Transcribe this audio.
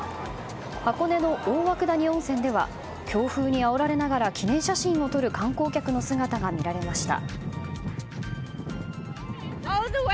箱根の大涌谷温泉では強風にあおられながら記念写真を撮る観光客の姿が見られました。